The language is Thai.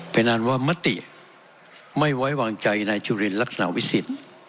เพราะฉะนั้นว่ามติไม่ไว้วางใจในชุดเรียนลักษณะวิสิต